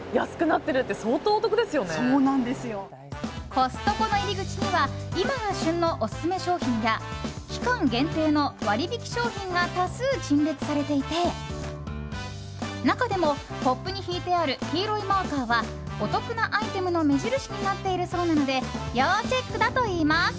コストコの入り口には今が旬のオススメ商品や期間限定の割引商品が多数陳列されていて中でもポップに引いてある黄色いマーカーはお得なアイテムの目印になっているそうなので要チェックだといいます。